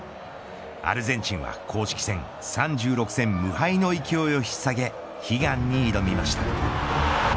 アルゼンチンは公式戦３６戦無敗の勢いを引っ提げ悲願に挑みました。